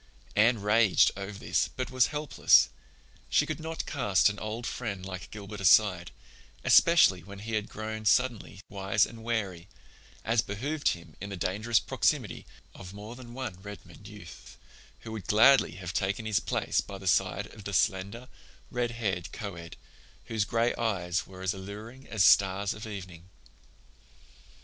Anne raged over this but was helpless; she could not cast an old friend like Gilbert aside, especially when he had grown suddenly wise and wary, as behooved him in the dangerous proximity of more than one Redmond youth who would gladly have taken his place by the side of the slender, red haired coed, whose gray eyes were as alluring as stars of evening.